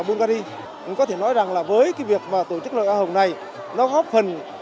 bulgaria chúng có thể nói rằng là với cái việc mà tổ chức loại hoa hồng này nó góp phần